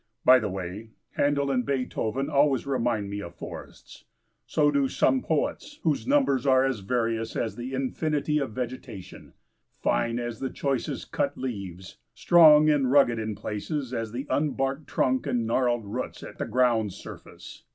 By the way, Handel and Beethoven always remind me of forests. So do some poets, whose numbers are as various as the infinity of vegetation, fine as the choicest cut leaves, strong and rugged in places as the unbarked trunk and gnarled roots at the ground's surface.